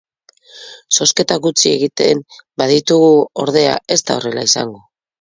Zozketa gutxi egiten baditugu, ordea, ez da horrela izango.